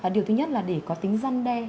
điều thứ nhất là để có tính răn đe